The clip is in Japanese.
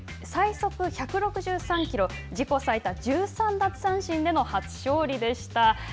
最速１６３キロ自己最多、１３奪三振での初勝利でした。